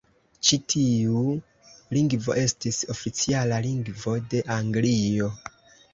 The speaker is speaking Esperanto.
Ĉi tiu lingvo estis oficiala lingvo de Anglio.